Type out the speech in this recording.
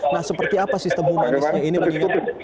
nah seperti apa sistem humanisnya ini begitu